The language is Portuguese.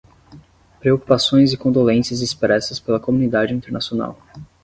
Preocupações e condolências expressas pela comunidade internacional